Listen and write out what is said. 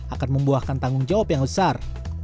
akan membuahkan tanggung jawab yang besar